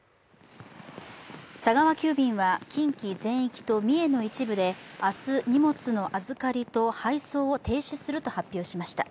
佐川急便は近畿全域と三重の一部で明日、荷物の預かりと配送を停止すると発表しました。